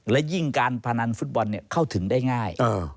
และยิ่งการพนันฟุตบอลเข้าถึงได้ง่าย